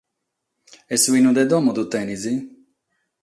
E su binu de domo ddu tenes?